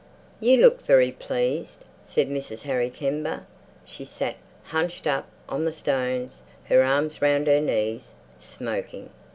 "You look very pleased," said Mrs. Harry Kember. She sat hunched up on the stones, her arms round her knees, smoking.